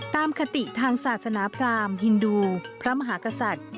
คติทางศาสนาพรามฮินดูพระมหากษัตริย์